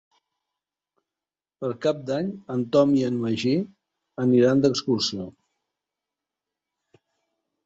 Per Cap d'Any en Tom i en Magí aniran d'excursió.